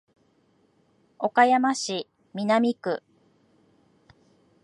岡山市南区